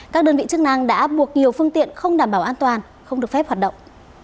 các đơn vị chức năng đã buộc nhiều phương tiện không đảm bảo an toàn không được phép hoạt động